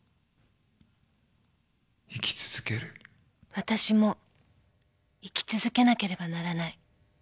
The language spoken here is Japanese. ［わたしも生き続けなければならない］